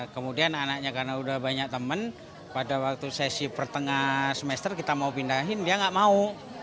kemudian anaknya karena udah banyak temen pada waktu sesi pertengahan semester kita mau pindahin dia nggak mau